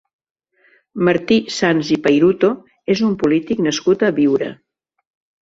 Martí Sans i Pairuto és un polític nascut a Biure.